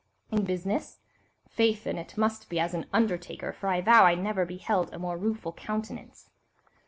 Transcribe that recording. "In business? Faith, then, it must be as an undertaker, for I vow I never beheld a more rueful countenance."